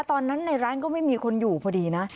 ตอนนั้นในร้านก็ไม่มีคนอยู่พอดีนะ